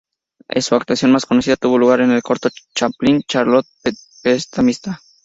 Su actuación más conocida tuvo lugar en el corto de Chaplin "Charlot, prestamista".